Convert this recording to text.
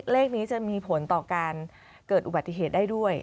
เลขนี้จะมีผลต่อการเกิดอุบัติเหตุได้ด้วย